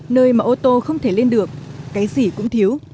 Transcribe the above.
nơi mà ô tô không thể lên được cái gì cũng thiếu